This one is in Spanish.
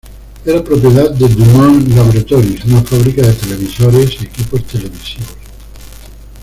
Era propiedad de DuMont Laboratories, una fábrica de televisores y equipos televisivos.